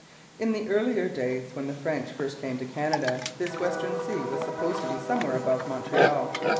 In the earlier days, when the French first came to Canada, this Western Sea was supposed to be somewhere above Montreal.